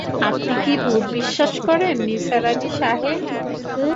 আপনি কি ভূত বিশ্বাস করেন নিসার আলি সাহেব?